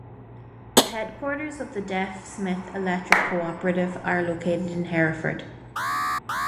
The headquarters of the Deaf Smith Electric Cooperative are located in Hereford.